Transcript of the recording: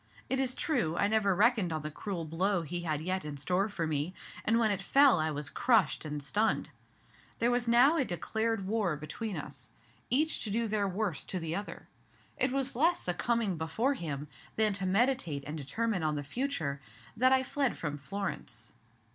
It is true, I never reckoned on the cruel blow he had yet in store for me, and when it fell I was crushed and stunned. There was now a declared war between us, each to do their worst to the other. It was less succumbing before him, than to meditate and determine on the future, that I fled from Florence.